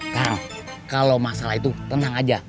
kang kalau masalah itu tenang aja